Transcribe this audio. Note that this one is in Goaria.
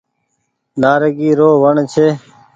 نآريگي رو وڻ ڇي